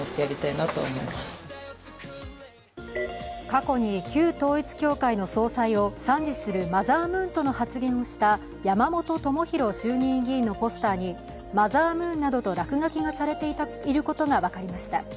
過去に旧統一教会の総裁を賛辞するマザームーンとの発言をした山本朋広衆院議員のポスターに「マザームーン」などと落書きがされていることが分かりました。